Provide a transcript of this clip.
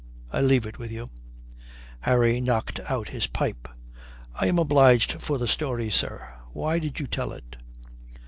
I leave it with you." Harry knocked out his pipe. "I am obliged for the story, sir. Why did you tell it?"